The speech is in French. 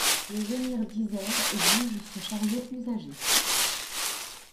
Les émirs diserts jugent ce chariot usagé!